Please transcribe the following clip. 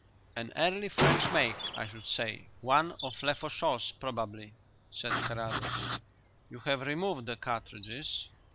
"An early French make, I should say; one of Lefaucheux's probably," said Carrados. "You have removed the cartridges?"